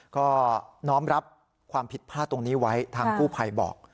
ก็น้อมรับความผิดพลาดตรงนี้ไว้ทางกู้ภัยบอก